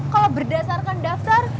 kalau berdasarkan daftar